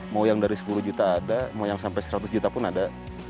mau yang dari sepuluh juta ada mau yang sampai seratus juta pun ada